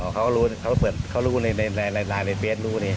เขารู้เขาเปิดร้านในเฟซรู้นี่